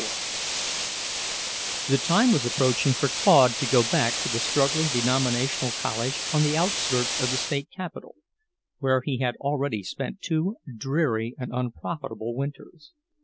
IV The time was approaching for Claude to go back to the struggling denominational college on the outskirts of the state capital, where he had already spent two dreary and unprofitable winters.